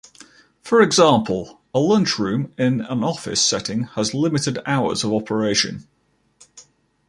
For example: A lunch room in an office setting has limited hours of operation.